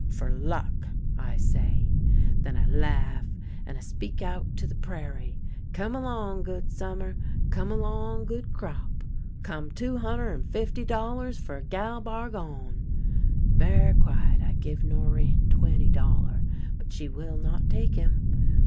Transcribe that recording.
' For luck,' I say. Then I laugh, and I speak out to the prairie :' Come along, good summer ; come along, good crop ; come two hun 9 I30 THE LANE THAT HAD NO TURNING der' and fifty dollars for Gal Bargoii.' Ver' quiet I give Norinne twenty dollar, but she will not take him.